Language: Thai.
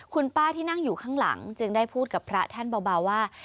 คุณป้าที่นั่งอยู่ข้างหลังจึงได้พูดกับพระท่านเบาว่า